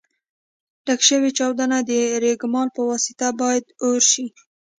ډک شوي چاودونه د رېګمال په واسطه باید اوار شي.